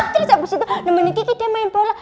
terus abis itu nemenin gigi dia main bola